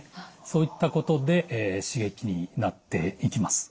そういったことで刺激になっていきます。